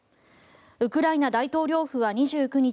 ウクライナ大統領府は２９日